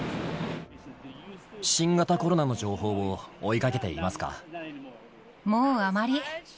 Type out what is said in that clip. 新型コロナの情報を追いかけもうあまり。